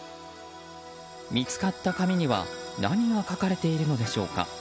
見つかった紙には何が書かれているのでしょうか。